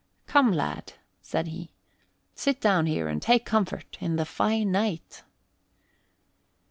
"Come, lad," said he, "sit down here and take comfort in the fine night."